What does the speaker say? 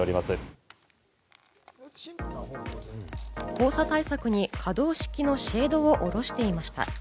黄砂対策に可動式のシェードをおろしていました。